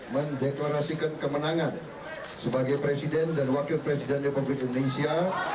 mendeklarasikan kemenangan sebagai presiden dan wakil presiden republik indonesia